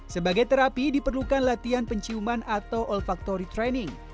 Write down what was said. sebagai terapi diperlukan latihan penciuman atau olfaktori training